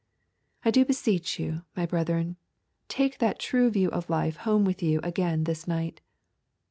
I do beseech you, my brethren, take that true view of life home with you again this night.